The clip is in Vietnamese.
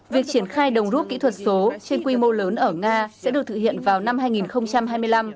việc triển khai đồng rút kỹ thuật số trên quy mô lớn ở nga sẽ được thực hiện vào năm hai nghìn hai mươi năm